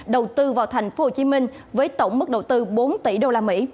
đầu tư vào thành phố hồ chí minh với tổng mức đầu tư bốn tỷ usd